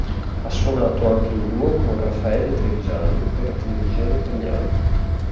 Ha suonato anche in duo con Raffaele Trevisani per la televisione italiana.